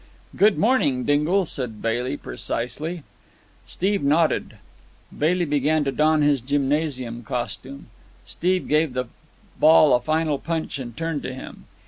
"Good morning, Dingle," said Bailey precisely. Steve nodded. Bailey began to don his gymnasium costume. Steve gave the ball a final punch and turned to him.